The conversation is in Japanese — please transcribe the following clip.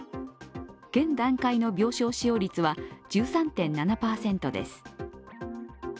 現段階の病床使用率は１３．７％です。